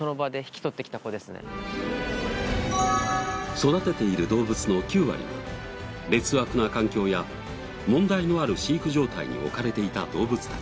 育てている動物の９割が劣悪な環境や問題のある飼育状態に置かれていた動物たち。